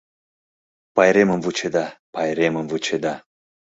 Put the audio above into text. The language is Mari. Пайремым вучеда, пайремым вучеда